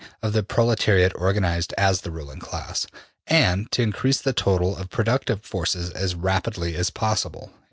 of the proletariat organized as the ruling class; and to increase the total of productive forces as rapidly as possible.''